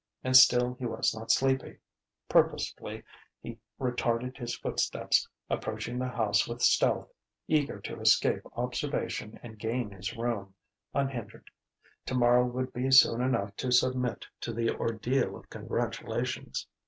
And still he was not sleepy. Purposefully he retarded his footsteps, approaching the house with stealth, eager to escape observation and gain his room, unhindered. Tomorrow would be soon enough to submit to the ordeal of congratulations....